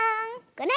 これ！